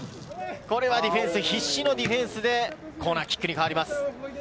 これは必死のディフェンスでコーナーキックに変わります。